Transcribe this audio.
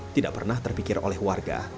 tidak pernah terpikir oleh warga